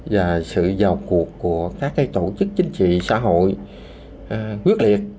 và sự vào cuộc của các tổ chức chính trị xã hội quyết liệt